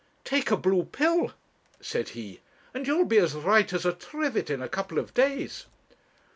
'Take a blue pill,' said he, 'and you'll be as right as a trivet in a couple of days.'